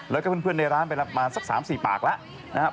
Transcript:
แล้วก็เพื่อนในร้านไปประมาณสัก๓๔ปากแล้วนะครับ